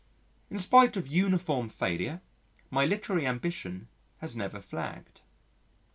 In spite of uniform failure, my literary ambition has never flagged.